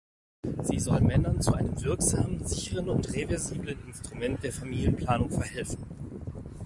Sie soll Männern zu einem wirksamen, sicheren und reversiblen Instrument der Familienplanung verhelfen.